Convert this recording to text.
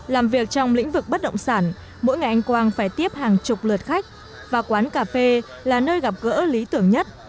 làm việc trong lĩnh vực bất động sản mỗi ngày anh quang phải tiếp hàng chục lượt khách và quán cà phê là nơi gặp gỡ lý tưởng nhất